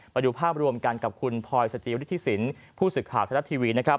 มาดูภาพรวมกันกับคุณพลอยสจิวฤทธิสินผู้ศึกภาพทะธัตตีวี